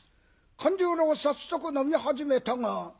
勘十郎早速飲み始めたが。